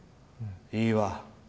いいわ。